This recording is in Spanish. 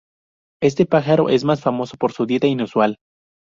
Este pájaro es más famoso por su dieta inusual.